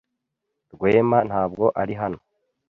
Rwema ntabwo ari hano